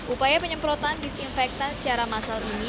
upaya penyemprotan disinfektan secara massal ini